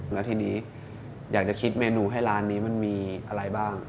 แล้วทีนี้อยากจะคิดเมนูให้ร้านนี้มันมีอะไรบ้าง